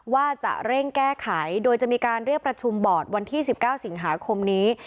ว่าจะเร่งแก้ไขโดยจะมีการเรียกประชุมบอร์ดวันที่๑๙สิงหาคมนี้